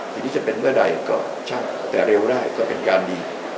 ทีนี้จะเป็นเมื่อใดก็ช่างแต่เร็วได้ก็เป็นการดี